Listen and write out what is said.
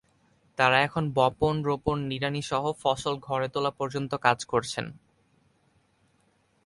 তাঁরা এখন বপন, রোপণ, নিড়ানিসহ ফসল ঘরে তোলা পর্যন্ত কাজ করছেন।